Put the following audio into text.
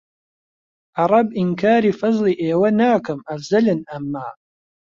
عەرەب ئینکاری فەزڵی ئێوە ناکەم ئەفزەلن ئەمما